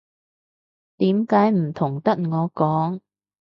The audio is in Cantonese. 點解唔同得我講